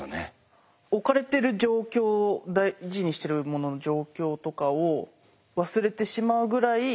置かれてる状況を大事にしてるものの状況とかを忘れてしまうぐらい